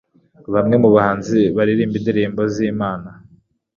Bamwe mu bahanzi baririmba indirimbo z'Imana